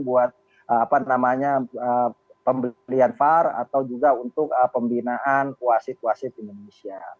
buat apa namanya pembelian var atau juga untuk pembinaan kuasit kuasit di indonesia